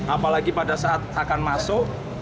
apalagi pada saat akan masuk